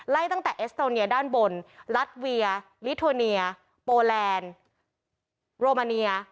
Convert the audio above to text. ตั้งแต่เอสโตเนียด้านบนรัฐเวียลิโทเนียโปแลนด์โรมาเนีย